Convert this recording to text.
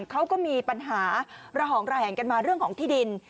เขาก็มีปัญหาระห่องระแหงกันมาเรื่องของที่ดิน